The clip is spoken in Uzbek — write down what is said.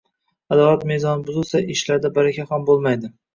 adolat mezoni buzilsa, ishlarda baraka ham bo‘lmaydi...»